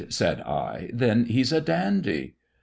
said I; "then he's a dandy?"